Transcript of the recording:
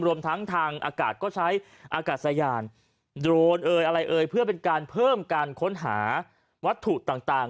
รวมทั้งทางอากาศก็ใช้อากาศยานโดรนเอยอะไรเอ่ยเพื่อเป็นการเพิ่มการค้นหาวัตถุต่าง